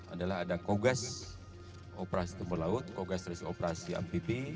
adalah ada kogas operasi tempur laut kogas operasi amfibi